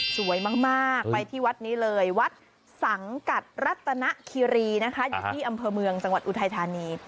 สวยมากไปที่วัดนี้เลยวัดสังกัดรัตนคิรีนะคะอยู่ที่อำเภอเมืองจังหวัดอุทัยธานี